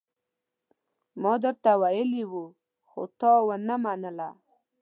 ما درته ويلي وو، خو تا ونه منله.